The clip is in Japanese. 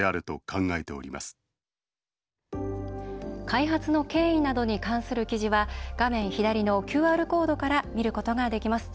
開発の経緯などに関する記事は画面左のＱＲコードから見ることができます。